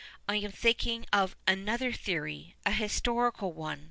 I am thinking of another theory — a historical one.